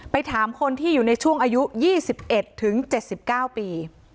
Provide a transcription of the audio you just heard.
ถามคนที่อยู่ในช่วงอายุ๒๑ถึง๗๙ปี